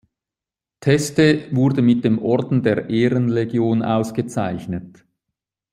Teste wurde mit dem Orden der Ehrenlegion ausgezeichnet.